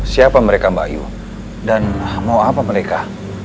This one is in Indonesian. siapa mereka mbak ayu dan mau apa mereka